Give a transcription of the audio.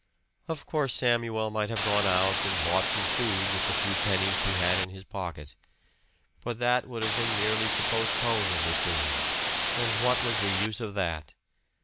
Of course Samuel might have gone out and bought some food with the few pennies he had in his pocket. But that would have been merely to postpone the decision, and what was the use of that?